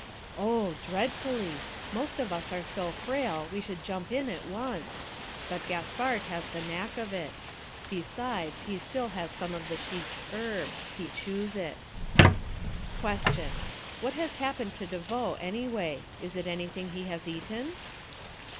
Oh! dreadfully! Most of us are so frail we should jump in at once. But Gaspard has the knack of it. Besides he still has some of the Sheik's herb; he chews it. Question. What has happened to De Vaux anyway? Is it anything he has eaten?